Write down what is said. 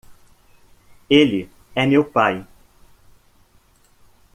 Ele é meu pai